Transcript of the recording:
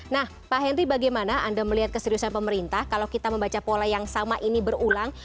nah pak henry bagaimana anda melihat keseriusan pemerintah kalau kita membaca pola yang sama ini berulang